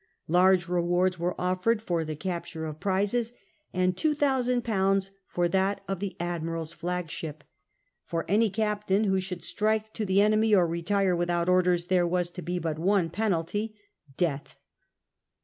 Large rewards were offered for the capture of prizes, and 2,000/. for that of the admiral's flag ship. For any captain who should strike to the enemy or retire without orders there was to be but one penalty — death.